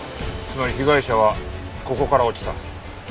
つまり被害者はここから落ちた。